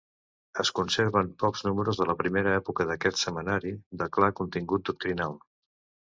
Es conserven pocs números de la primera època d'aquest setmanari, de clar contingut doctrinal.